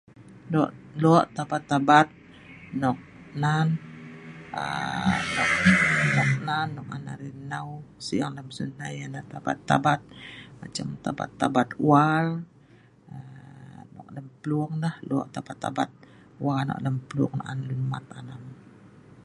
Lo' tabat tabat nok nan aaa nok nan nok an arai nnau sing lem siu' hnai' nah tabat tabat macam tabat tabat wal aaa nok lem plung nah lo' tabat tabat wal nok lem plung nok an lun mat alam.